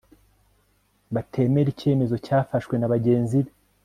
batemera icyemezo cyafashwe na bagenzi be